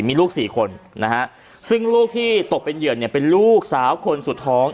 มีลูกสี่คนนะฮะซึ่งลูกที่ตกเป็นเหยื่อเนี่ยเป็นลูกสาวคนสุดท้อง